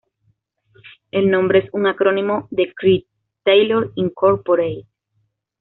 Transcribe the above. El nombre es un acrónimo de Creed Taylor Incorporated.